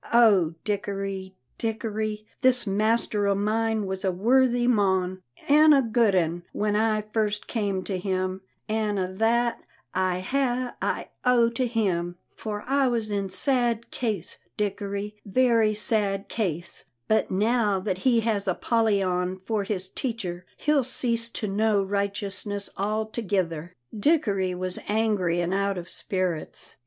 Oh, Dickory, Dickory! this master o' mine was a worthy mon an' a good ane when I first came to him, an' a' that I hae I owe to him, for I was in sad case, Dickory, very sad case; but now that he has Apollyon for his teacher, he'll cease to know righteousness altogither." Dickory was angry and out of spirits.